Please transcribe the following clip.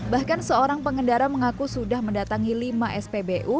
bahkan seorang pengendara mengaku sudah mendatangi lima spbu